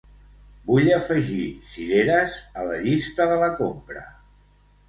Vull afegir cireres a la llista de la compra.